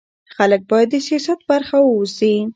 خلک باید د سیاست برخه واوسي